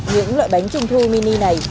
những loại bánh trung thu mini này